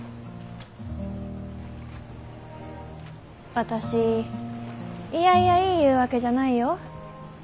私いやいや言いゆうわけじゃないよ。